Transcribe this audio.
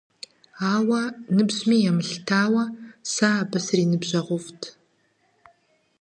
Ауэ, ныбжьми емылъытауэ, сэ абы сриныбжьэгъуфӀт.